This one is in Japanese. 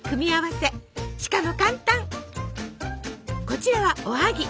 こちらはおはぎ。